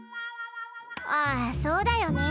あそうだよね。